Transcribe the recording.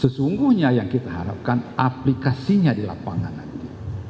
sesungguhnya yang kita harapkan aplikasinya di lapangan nanti